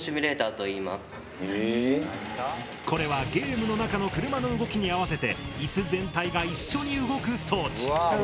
これはゲームの中の車の動きに合わせて椅子全体が一緒に動く装置。